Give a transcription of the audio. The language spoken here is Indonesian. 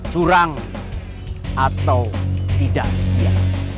curang atau tidak setia